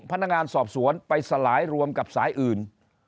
พนักงานสอบสวนไปสลายรวมกับสายอื่น